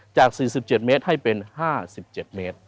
จาก๔๗เมตรให้เป็น๕๗เมตร